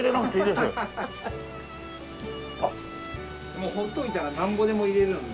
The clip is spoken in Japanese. もう放っといたらなんぼでも入れるんで。